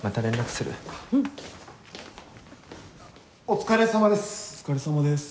お疲れさまです。